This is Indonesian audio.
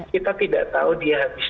kita tidak tahu dia habis